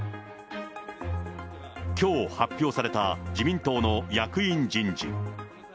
きょう発表された自民党の役員人事。